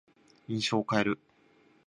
印象を変える。